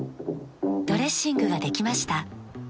ドレッシングができました。